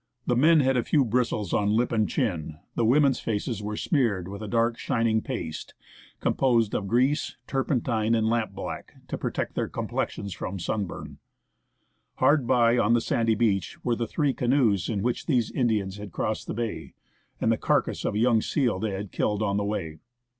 The men had a few bristles on lip and chin ; the women's faces were smeared with a dark, shining paste, composed of grease, turpentine, and lamp black, to protect their complexions from sunburn. 37 THE ASCENT OF MOUNT ST. ELIAS Hard by on the sandy beach were the three canoes in which these Indians had crossed the bay, and the carcase of a young seal they had killed on the way.